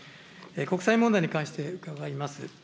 国際問題に関して伺います。